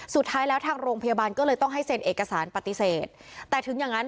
สุดท้ายแล้วทางโรงพยาบาลก็เลยต้องให้เซ็นเอกสารปฏิเสธแต่ถึงอย่างงั้น